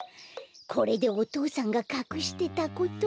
これでお父さんがかくしてたことも。